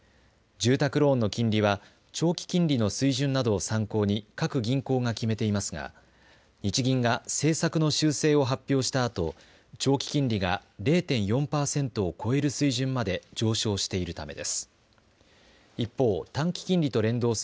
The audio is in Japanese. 住宅ローンの金利は長期金利の水準などを参考に各銀行が決めていますが日銀が政策の修正を発表したあと長期金利が０．４パーセントを超える水準まで上昇しているためです。